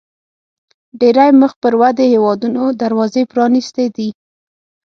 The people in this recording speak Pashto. ډېری مخ پر ودې هیوادونو دروازې پرانیستې دي.